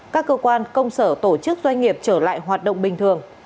các cơ quan công sở tổ chức doanh nghiệp trở lại hoạt động bình thường